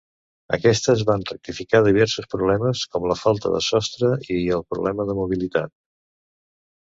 Aquestes van rectificar diversos problemes, com la falta de sostre i el problema de mobilitat.